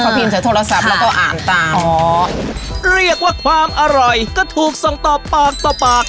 พิมพ์ใส่โทรศัพท์แล้วก็อ่านตามอ๋อเรียกว่าความอร่อยก็ถูกส่งต่อปากต่อปาก